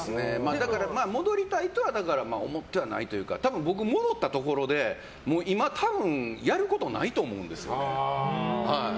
戻りたいとは思ってはないというか多分、僕戻ったところで今多分やることないと思うんですよ。